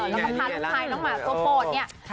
น้องมะพันธุ์ไทยน้องหมาตัวโปรดเนี่ย